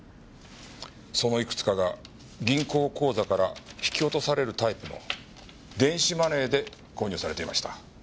そのいくつかが銀行口座から引き落とされるタイプの電子マネーで購入されていました。